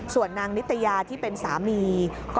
ส่วนนางนิตยาที่เป็นสามี